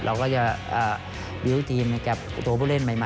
เราก็จะบิวต์ทีมให้กับตัวผู้เล่นใหม่